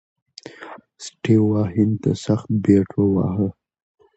سټیو وا هند ته سخت بیټ وواهه.